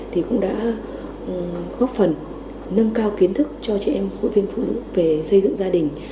thì cũng đã góp phần nâng cao kiến thức cho chị em hội viên phụ nữ về xây dựng gia đình